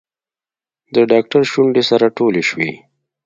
د ډاکتر شونډې سره ټولې شوې.